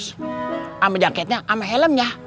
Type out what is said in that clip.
sama jaketnya sama helmnya